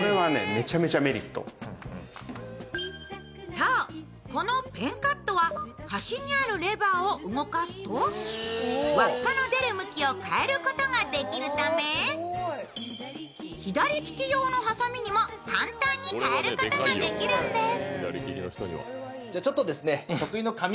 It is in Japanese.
そう、このペンカットは端にあるレバーを動かすと輪っかの出る向きを変えることができるため左利き用のはさみにも簡単に変えることができるんです。